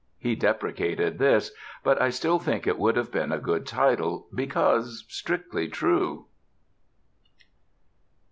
He deprecated this; but I still think it would have been a good title, because strictly true.